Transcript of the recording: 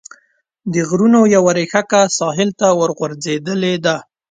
د غرونو یوه ريښکه ساحل ته ورغځېدلې ده.